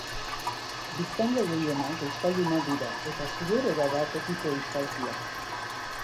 Biztanle gehienak euskaldunak dira, eta zuberera da tokiko euskalkia.